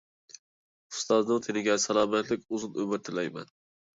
ئۇستازنىڭ تېنىگە سالامەتلىك، ئۇزۇن ئۆمۈر تىلەيمەن.